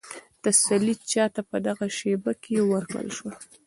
تسلي چا ته په دغه شېبه کې ورکړل شوه؟